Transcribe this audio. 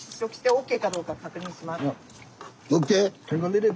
ＯＫ？